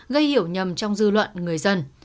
gây hiểu nhầm trong dư luận người dân